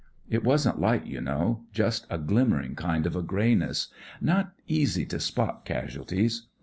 It wasn't light, you know ; just a glimmering kind of a greyness. Not easy to spot casualties.